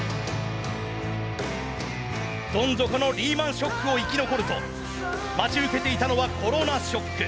どん底のリーマン・ショックを生き残ると待ち受けていたのはコロナショック。